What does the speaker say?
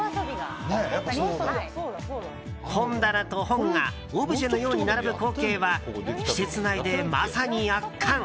本棚と本がオブジェのように並ぶ光景は施設内でまさに圧巻。